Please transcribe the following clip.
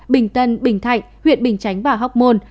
bình tân bình thạnh huyện bình chánh và hóc môn